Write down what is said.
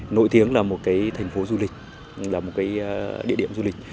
nổi tiếng là một cái thành phố du lịch là một cái địa điểm du lịch